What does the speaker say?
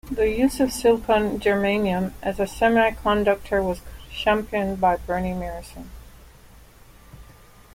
The use of silicon-germanium as a semiconductor was championed by Bernie Meyerson.